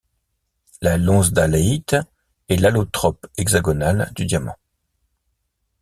La lonsdaléite est l'allotrope hexagonal du diamant.